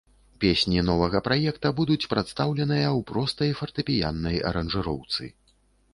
Песні новага праекта будуць прадстаўленыя ў простай фартэпіяннай аранжыроўцы.